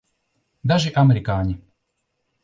Daži amerikāņi.